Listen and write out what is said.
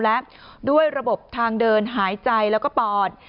และด้วยระบบทางเดินหายใจแล้วก็ปอด